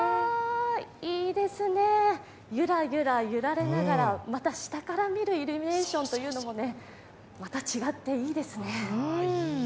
いいですね、ゆらゆら揺られながらまた下から見るイルミネーションというのも、違っていいですね。